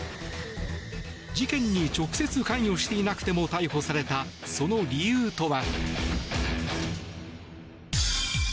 事件に直接関与していなくても逮捕された、その理由とは。